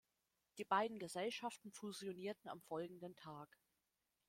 Die beiden Gesellschaften fusionierten am folgenden Tag.